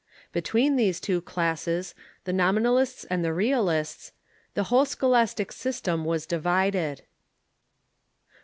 Between these two classes, the Nominalists and the Realists, the whole scholastic system was divided.